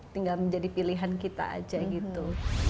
tinggal menjadi pilihan kita aja gitu